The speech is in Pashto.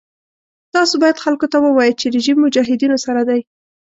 تاسو باید خلکو ته ووایئ چې رژیم مجاهدینو سره دی.